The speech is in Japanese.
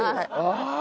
ああ！